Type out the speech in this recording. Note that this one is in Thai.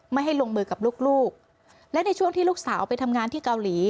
ไม่ให้ลงมือกับลูกและในช่วงที่ลูกสาวไปทำงานที่เกาหลี